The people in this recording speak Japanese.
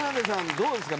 どうですか？